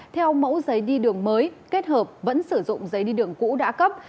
theo mẫu giấy đi đường mới kết hợp vẫn sử dụng giấy đi đường cũ đã cấp